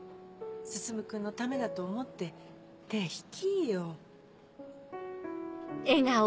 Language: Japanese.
進君のためだと思って手引きぃよ。